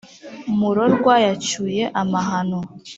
murorwa yacyuye amahano